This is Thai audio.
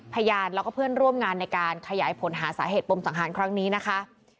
พยานแล้วก็เพื่อนร่วมงานในการขยายผลหาสาเหตุปมสังหารครั้งนี้นะคะ